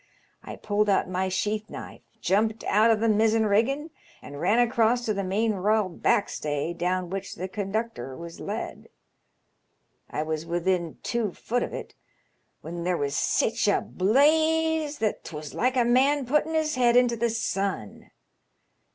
I pulled out my sheath knife, jumped out o' th' mizzen riggin', and ran across to the main 'royal back stay, down which the conductor was led. I was within two foot of it, when there was sich a blaze that 'twas like a man putting his head into the sun.